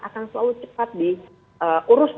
akan selalu cepat diurus